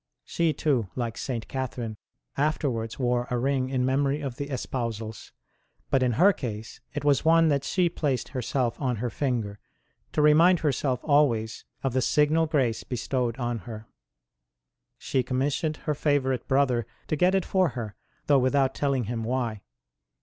She, too, like St. Catherine, afterwards wore a ring in memory of the espousals ; but in her case it was one that she placed herself on her finger, to remind herself always of the signal grace bestowed on her. She commissioned her favourite brother to get it for her, though without telling him why.